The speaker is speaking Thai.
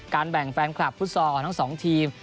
แบ่งแฟนคลับฟุตซอลของทั้งสองทีม